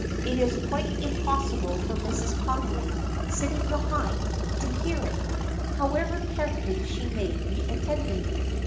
It is quite impossible for Mrs. Connolly, sitting behind, to hear it, however carefully she may be attending.